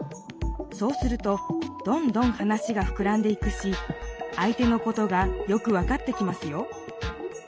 そうするとどんどん話がふくらんでいくしあい手のことがよく分かってきますよ。